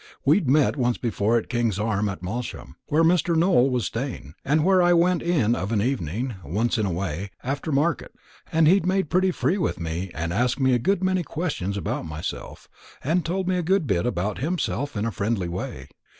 We'd met once before at the King's Arms at Malsham, where Mr. Nowell was staying, and where I went in of an evening, once in a way, after market; and he'd made pretty free with me, and asked me a good many questions about myself, and told me a good bit about himself, in a friendly way.